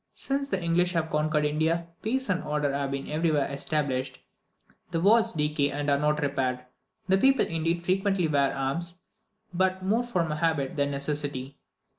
Since the English have conquered India, peace and order have been everywhere established; the walls decay and are not repaired; the people indeed frequently wear arms, but more from habit than necessity.